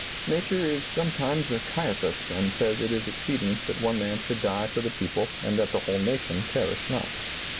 Nature is sometimes a Caiaphas and says it is expedient that one man should die for the people and that the whole nation perish not.